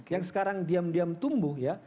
yang sekarang diam diam tumbuh ya